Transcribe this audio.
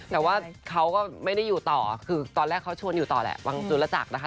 แต่ว่าเขาก็ไม่ได้อยู่ต่อคือตอนแรกเขาชวนอยู่ต่อแหละวังจุลจักรนะคะ